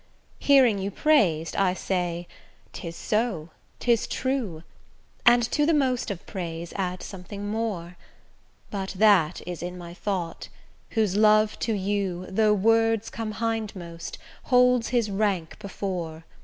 Hearing you praised, I say ''tis so, 'tis true,' And to the most of praise add something more; But that is in my thought, whose love to you, Though words come hindmost, holds his rank before.